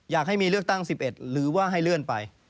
อยากให้มีเลือกตั้ง๑๑หรือว่าให้เลื่อนไป